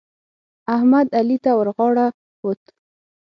احمد؛ علي ته ورغاړه وت.